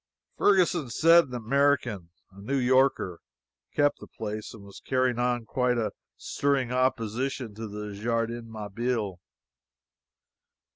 Ferguson said an American a New Yorker kept the place, and was carrying on quite a stirring opposition to the Jardin Mabille.